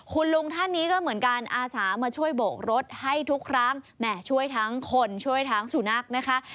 คุณลุงท่านนี้ก็เหมือนกันอาสามาช่วยโบกรถให้ทุกครั้งแหม่ช่วยทั้งคนช่วยทั้งสุนัขนะคะ